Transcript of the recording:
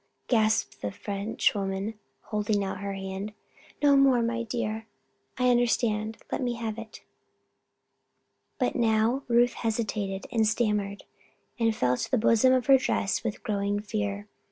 gasped the French woman, holding out her hand. "No more, my dear! I understand. Let me have it." But now Ruth hesitated and stammered, and felt in the bosom of her dress with growing fear.